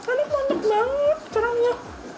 aduh montok banget kerangnya